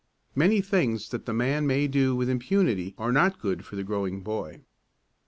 Many things that the man may do with impunity are not good for the growing boy.